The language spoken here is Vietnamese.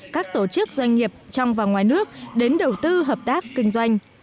các tổ chức doanh nghiệp trong và ngoài nước đến đầu tư hợp tác kinh doanh